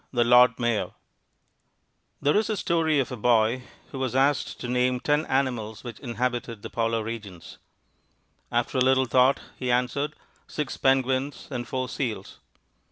The Lord Mayor There is a story of a boy who was asked to name ten animals which inhabit the polar regions. After a little thought he answered, "Six penguins and four seals."